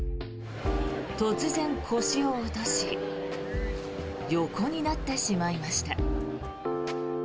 突然、腰を落とし横になってしまいました。